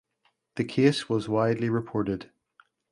The case was widely reported.